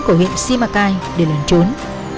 của huyện simacai để lần trốn